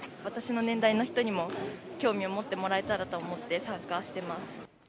私の年代の人にも興味を持ってもらえたらと思って、参加してます。